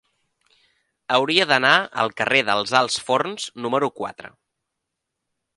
Hauria d'anar al carrer dels Alts Forns número quatre.